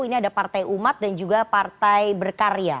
ini ada partai umat dan juga partai berkarya